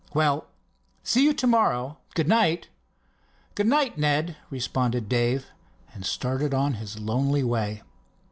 Well, see you to morrow! Good night!" "Good night, Ned," responded Dave, and started on his lonely way.